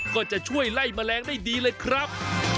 ก็จะช่วยไล่แมลงได้ดีเลยครับ